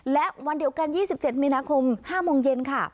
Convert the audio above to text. และวันเดียวกันยี่สิบเจ็ดมีนาคมห้าโมงเย็นค่ะ